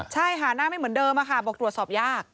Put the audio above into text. ใช่ค่ะหน้าไม่เหมือนเดิมค่ะบอกตรวจสอบยาก